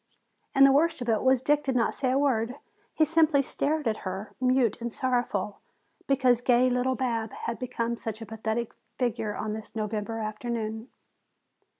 And the worst of it was Dick did not say a word. He simply stared at her, mute and sorrowful, because gay little Bab had become such a pathetic figure on this November afternoon.